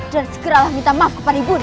dan segeralah minta maaf kepada ibunya